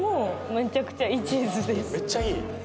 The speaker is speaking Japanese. めっちゃいい。